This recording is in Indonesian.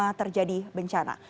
karena terjadi bencana